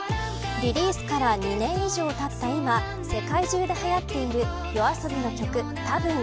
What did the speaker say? リリースから２年以上たった今世界中ではやっているＹＯＡＳＯＢＩの曲、たぶん。